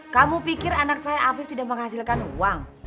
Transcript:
kamu pikir anak saya afif tidak menghasilkan uang